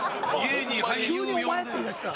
急に「お前」って言いだした。